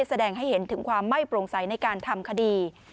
แสดงให้เห็นถึงความไม่โปร่งใสในการทำคดี